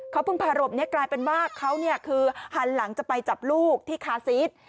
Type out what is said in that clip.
เขาเพิ่งพารบนี้กลายเป็นว่าเขาคือหันหลังจะไปจับลูกที่คาซีส